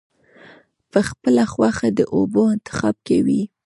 پۀ خپله خوښه د اوبو انتخاب کوي -